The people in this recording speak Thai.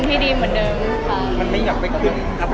ที่ดีเหมือนเดิมค่ะ